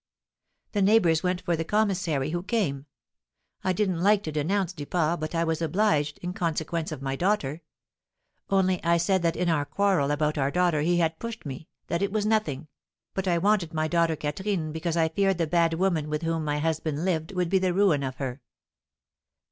The neighbours went for the commissary, who came. I didn't like to denounce Duport, but I was obliged, in consequence of my daughter; only I said that in our quarrel about our daughter he had pushed me, that it was nothing, but I wanted my daughter Catherine because I feared the bad woman with whom my husband lived would be the ruin of her."